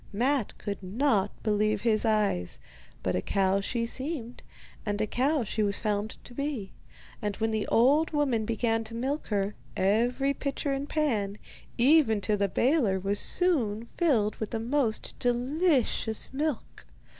Matte could not believe his eyes. But a cow she seemed, and a cow she was found to be; and when the old woman began to milk her, every pitcher and pan, even to the baler, was soon filled with the most delicious milk.